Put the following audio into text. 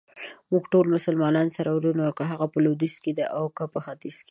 موږټول مسلمانان سره وروڼه يو ،که هغه په لويديځ کې دي اوکه په ختیځ.